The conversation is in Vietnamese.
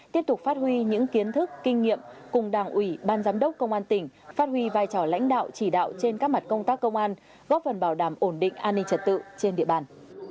tiếp tục phát huy những kiến thức kinh nghiệm cùng đảng ủy ban giám đốc công an tỉnh phát huy vai trò lãnh đạo chỉ đạo trên các mặt công tác công an góp phần bảo đảm ổn định an ninh trật tự trên địa bàn